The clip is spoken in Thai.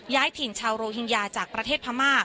ถิ่นชาวโรฮิงญาจากประเทศพม่า